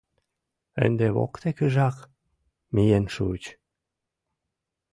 Ынде воктекыжак миен шуыч.